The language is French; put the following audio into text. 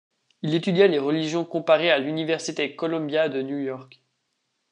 Il étudia les religions comparées à l'Université Columbia de New York.